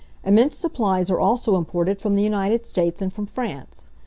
Immense supplies are also imported from the United States and from France.